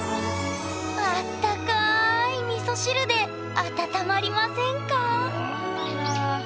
あったかいみそ汁で温まりませんか？